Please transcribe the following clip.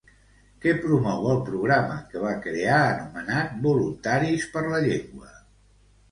Què promou el programa que va crear anomenat Voluntaris per la Llengua?